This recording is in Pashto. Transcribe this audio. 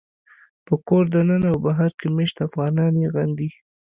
په کور دننه او بهر کې مېشت افغانان یې غندي